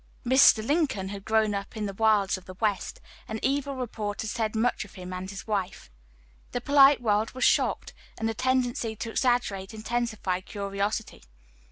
Mr. Lincoln had grown up in the wilds of the West, and evil report had said much of him and his wife. The polite world was shocked, and the tendency to exaggerate intensified curiosity.